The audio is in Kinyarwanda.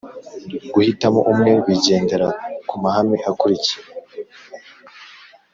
guhitamo umwe bigendera ku mahame akurikira: